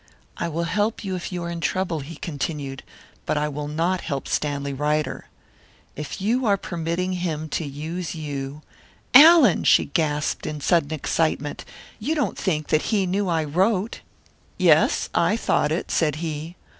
"I will help you if you are in trouble," he continued; "but I will not help Stanley Ryder. If you are permitting him to use you " "Allan!" she gasped, in sudden excitement. "You don't think that he knew I wrote?" "Yes, I thought it," said he.